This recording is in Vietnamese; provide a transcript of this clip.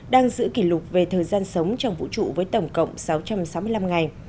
đang giữ kỷ lục về thời gian sống trong vũ trụ với tổng cộng sáu trăm sáu mươi năm ngày